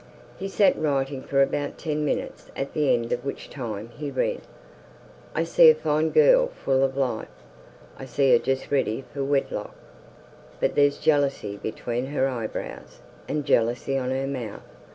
He sat writing for about ten minutes, at the end of which time, he read: "I see a fine girl full of life. I see her just ready for wedlock, But there's jealousy between her eyebrows And jealousy on her mouth.